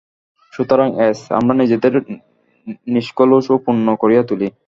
সুতরাং এস, আমরা নিজেদের নিষ্কলুষ ও পূর্ণ করিয়া তুলি।